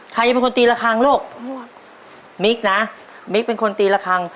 ใครจะเป็นคนตีละครั้งลูกมิ๊กนะมิ๊กเป็นคนตีละครั้ง